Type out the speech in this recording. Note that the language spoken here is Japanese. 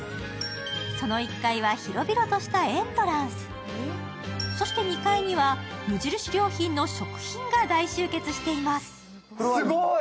その１階は広々としたエントランスそして、２階には無印良品の食品が大集結しています。